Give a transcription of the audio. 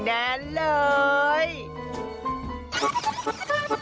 โอ้โอ้โอ้โอ้